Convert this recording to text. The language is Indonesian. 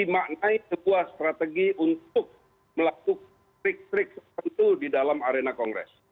itu dimaknai sebuah strategi untuk melakukan trik trik tertentu di arena kongres